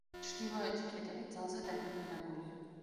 ჩრდილოეთი კედელი ძალზე დეფორმირებულია.